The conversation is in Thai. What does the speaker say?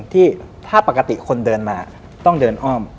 ที่ถ้าปกติคนเดินมาต้องเดินอ้อม